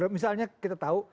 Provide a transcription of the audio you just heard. misalnya kita tahu